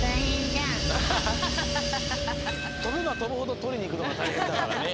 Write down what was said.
とべばとぶほどとりにいくのがたいへんだからね。